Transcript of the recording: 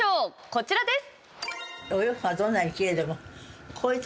こちらです。